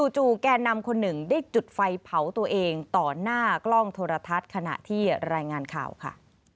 จู่แก่นำคนหนึ่งได้จุดไฟเผาตัวเองต่อหน้ากล้องโทรทัศน์ขณะที่รายงานข่าวค่ะ